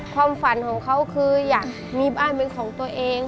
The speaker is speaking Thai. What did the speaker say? ความฝันของเขาคืออยากมีบ้านเป็นของตัวเอง